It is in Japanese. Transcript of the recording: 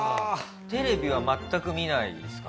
テレビは全く見ないんですか？